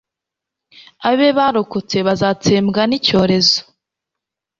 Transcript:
abe barokotse bazatsembwa n'icyorezo